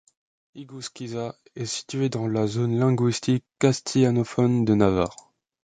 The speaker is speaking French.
Igúzquiza est situé dans la zone linguistique castillanophone de Navarre.